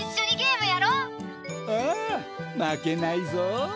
ああ負けないぞ！